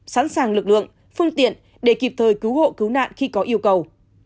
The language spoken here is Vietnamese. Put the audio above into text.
sẵn sàng lực lượng phương tiện để kịp thời cứu hộ cứu nạn khi có yêu cầu